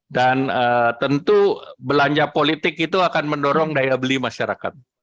dan tentu belanja politik itu akan mendorong daya beli masyarakat